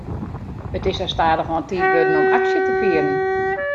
It is sa stadichoan tiid wurden om aksje te fieren.